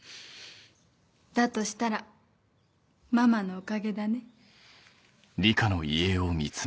だとしたらママのおかげだね。